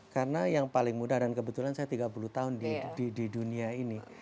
karena yang paling mudah dan kebetulan saya tiga puluh tahun di dunia ini